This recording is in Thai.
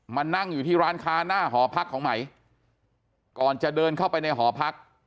มานั่งอยู่ที่ร้านค้าหน้าหอพักของไหมก่อนจะเดินเข้าไปในหอพัก